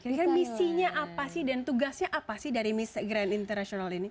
jadi kan misinya apa sih dan tugasnya apa sih dari miss grand international ini